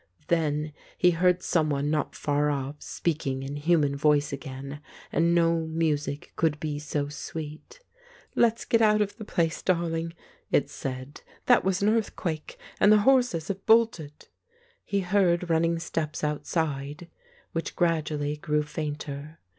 Then he heard someone not far off speaking in human voice again, and no music could be so sweet. "Let's get out of the place, darling," it said. "That was an earthquake, and the horses have bolted." He heard running steps outside, which gradually grew fainter.